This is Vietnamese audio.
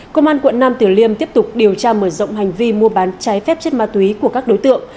công an quận nam tử liêm tiếp tục điều tra mở rộng hành vi mua bán trái phép chất ma túy của các đối tượng